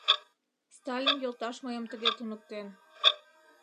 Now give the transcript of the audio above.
Сталин йолташ мыйым тыге туныктен.